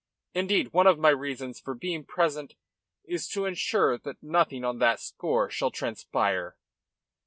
"Indeed, one of my reasons for being present is to ensure that nothing on that score shall transpire."